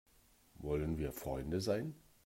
Wollen wir Freunde sein?